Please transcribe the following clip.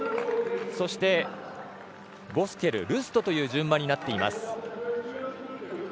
そして、ボスケル、ルストという順番になっています。